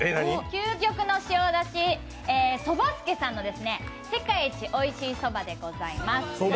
究極の塩だし、そば助さんの世界一おいしいそばでございます。